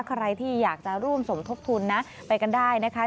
ใครที่อยากจะร่วมสมทบทุนนะไปกันได้นะคะ